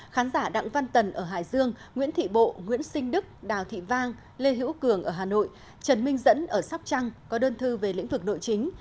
khán giả đặng văn tần ở hải dương nguyễn thị bộ nguyễn sinh đức đào thị vang lê hữu cường ở hà nội trần minh dẫn ở sóc trăng có đơn thư về lĩnh vực nội chính